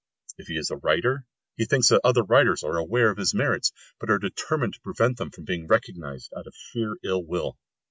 If he is a writer, he thinks that other writers are aware of his merits, but are determined to prevent them being recognised out of sheer ill will.